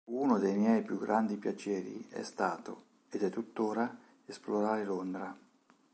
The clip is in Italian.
Uno dei miei più grandi piaceri è stato, ed è tuttora, esplorare Londra.